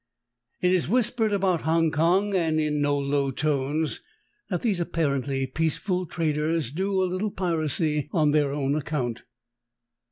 It is whispered about Hong Kong, and in no low tones, that these apparently peaceful traders sometimes do a little piracy on their own account.